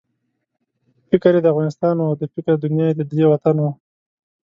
فکر یې د افغانستان وو او د فکر دنیا یې ددې وطن وه.